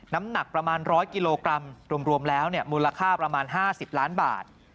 น้ำหนักประมาณร้อยกิโลกรัมรวมแล้วเนี่ยมูลค่าประมาณห้าสิบล้านบาท